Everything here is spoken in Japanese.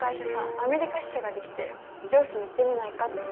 アメリカ支社が出来て上司に行ってみないかって。